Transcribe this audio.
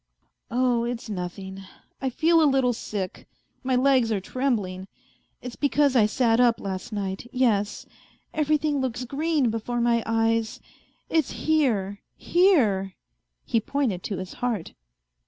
" Oh, it's nothing, I feel a little sick; my legs are trembling; it's because I sat up last night. Yes ! Everything looks green before my eyes. It's here, here " He pointed to his heart.